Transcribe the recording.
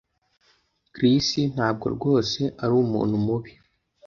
Chris ntabwo rwose ari umuntu mubi